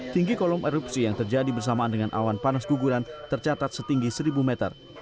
tinggi kolom erupsi yang terjadi bersamaan dengan awan panas guguran tercatat setinggi seribu meter